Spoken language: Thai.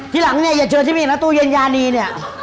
ทีหลังเนี่ยอย่าเชิญที่นี่นะตู้เย็นยานีเนี่ย